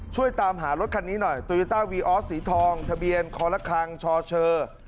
ช่วยตามหารถคันนี้หน่อยโตโยต้าวีออสสีทองทะเบียนคอละครังชเชอร์